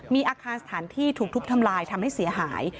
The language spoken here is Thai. มีอาคารสถานที่ถูกทุบทำลายทำให้เสียหาย